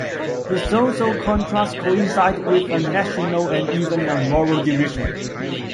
The social contrast coincided with a national and even a moral division.